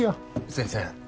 先生